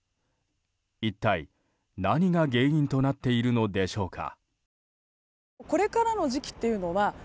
一体何が原因となっているのでしょうか。